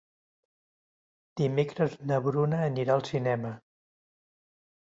Dimecres na Bruna anirà al cinema.